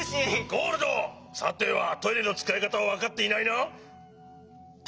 ゴールドさてはトイレのつかいかたをわかっていないな？